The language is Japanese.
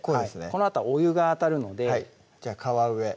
このあとはお湯が当たるのではい皮上